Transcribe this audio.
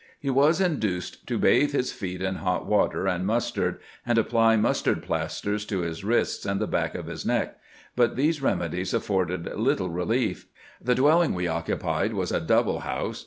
He was induced to bathe his feet in hot water and mustard, and apply mustard plasters to his wrists and the back of his neck ; but these remedies afforded little relief. The dwelling we occupied was a double house.